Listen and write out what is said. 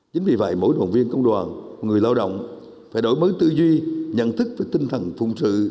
chính vì vậy mỗi đồng viên công đoàn người lao động phải đổi mới tư duy nhận thức và tinh thần phùng sự